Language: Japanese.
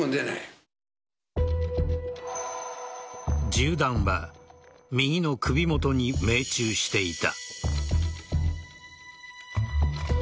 銃弾は右の首元に命中していた。